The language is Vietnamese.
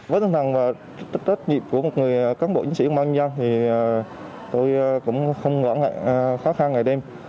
với tình hình và trách nhiệm của một người cán bộ chính sĩ công an nhân dân thì tôi cũng không khó khăn ngày đêm